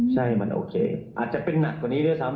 ใช่มันโอเคอาจจะเป็นหนักกว่านี้ด้วยซ้ำ